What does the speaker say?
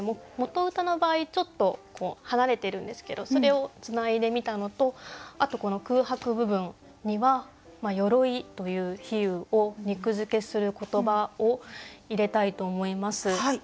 元歌の場合ちょっと離れてるんですけどそれをつないでみたのとあとこの空白部分には「鎧」という比喩を肉づけする言葉を入れたいと思います。